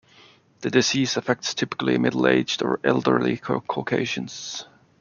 The disease affects typically middle-aged or elderly caucasians.